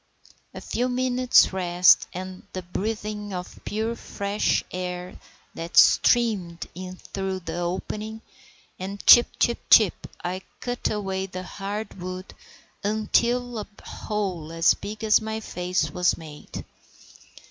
A few minutes' rest and the breathing of the pure, fresh air that streamed in through the opening, and chip, chip, chip, I cut away at the hard wood until a hole as big as my face was made.